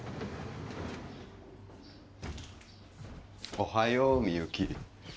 おはようみゆき